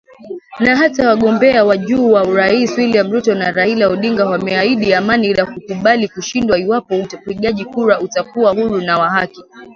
Na hata wagombea wa juu wa urais William Ruto na Raila Odinga wameahidi amani na kukubali kushindwa iwapo upigaji kura utakuwa huru na wa haki